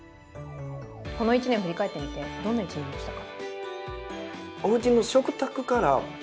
この１年振り返ってみてどんな１年でしたか？